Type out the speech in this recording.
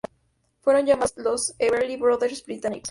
Fueron llamados los "Everly Brothers Británicos".